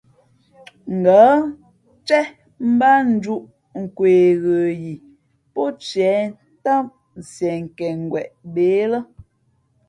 Ngα̌ céh mbát njūʼ nkwe ghə yi pó tiē ntám nsienkěngweʼ bê le.